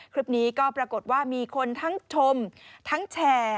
คลิปนี้ก็ปรากฏว่ามีคนทั้งชมทั้งแชร์